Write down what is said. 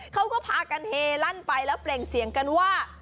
เขาก็พากันเฮลั่นไปแล้วเปล่งเสียงกันว่า